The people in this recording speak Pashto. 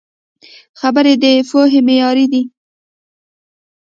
خبرې د پوهې معیار دي